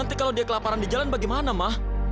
tenang ya tenang ya